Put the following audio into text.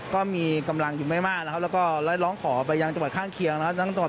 ก็มีกำลังอยู่ไม่มากแล้วก็ร้องหาขอไปอยากจบตะข้างเคียงนะครับ